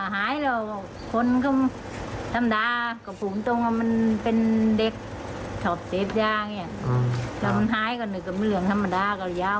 เห็นตรงนั้นตรงนี้ก็ผิดว่ามันอยู่ไม่ตายแต่ไม่เคยติดต่อกับบ้าน